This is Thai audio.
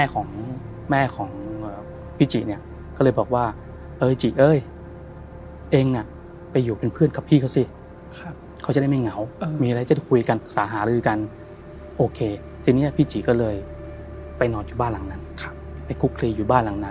แกก็พูดเหมือนกลับปรับ